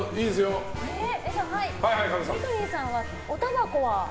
ブリトニーさんはおたばこは？